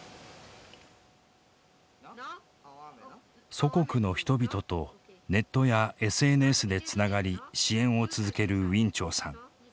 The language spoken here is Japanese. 祖国の人々とネットやＳＮＳでつながり支援を続けるウィン・チョウさん。